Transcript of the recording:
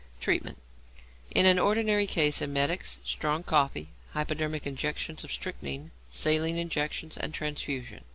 Treatment. In an ordinary case emetics, strong coffee, hypodermic injections of strychnine, saline injections, and transfusion.